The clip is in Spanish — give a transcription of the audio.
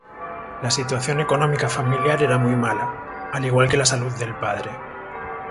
La situación económica familiar era muy mala, al igual que la salud del padre.